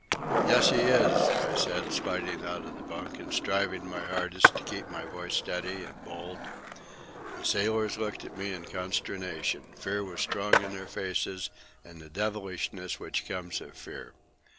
"Yes, he is," I said, sliding out of the bunk and striving my hardest to keep my voice steady and bold. The sailors looked at me in consternation. Fear was strong in their faces, and the devilishness which comes of fear.